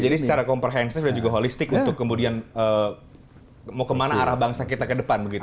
jadi secara komprehensif dan juga holistik untuk kemudian mau kemana arah bangsa kita ke depan begitu